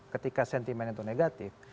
ketika sentimen itu negatif